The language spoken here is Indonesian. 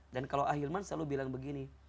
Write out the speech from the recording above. dan kalau ahilman selalu bilang begini